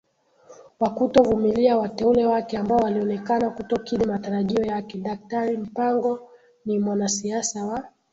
kwa kutovumilia wateule wake ambao walionekana kutokidhi matarajio yakeDaktari Mpango ni mwanasiasa wa